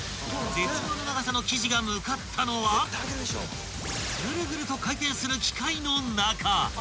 ［絶妙な長さの生地が向かったのはぐるぐると回転する機械の中］